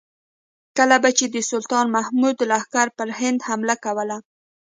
کله به چې د سلطان محمود لښکرو پر هند حمله کوله.